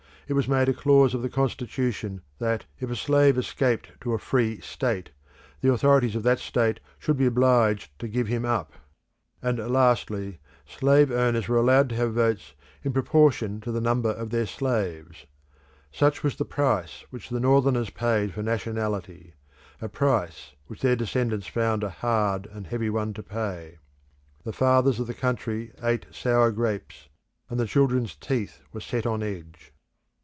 It was made a clause of the Constitution that, if a slave escaped to a free state, the authorities of that state should be obliged to give him up. And lastly, slave owners were allowed to have votes in proportion to the number of their slaves. Such was the price which the Northerners paid for nationality a price which their descendants found a hard and heavy one to pay. The fathers of the country ate sour grapes, and the children's teeth were set on edge.